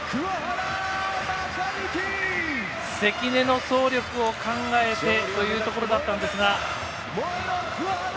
関根の走力を考えてというところだったんですが。